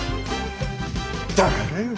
だからよ。